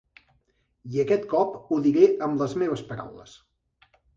I aquest cop ho diré amb les meves paraules.